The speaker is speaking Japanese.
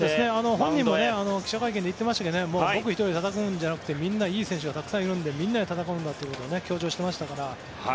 本人も記者会見で言っていましたが僕１人でやるのではなくてみんないい選手がたくさんいるのでみんなで戦うんだと強調してましたから。